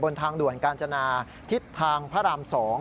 ทางด่วนกาญจนาทิศทางพระราม๒